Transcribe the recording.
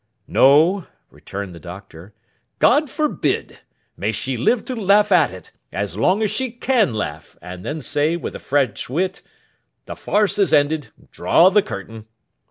'No,' returned the Doctor. 'God forbid! May she live to laugh at it, as long as she can laugh, and then say, with the French wit, "The farce is ended; draw the curtain."